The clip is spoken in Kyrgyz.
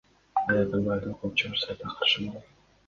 Азыр Атамбаевди кууп чыгышса да каршы болом.